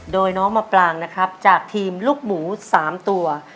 โดยน้องมะปลางนะครับจากทีมลูกหมู๓ตัว